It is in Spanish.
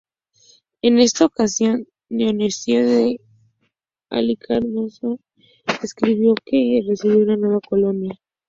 En esta ocasión, Dionisio de Halicarnaso escribió que recibió una nueva colonia.